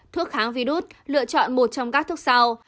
thuốc kháng virus lựa chọn một trong các thuốc sau